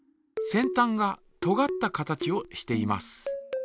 先たんがとがった形をしています。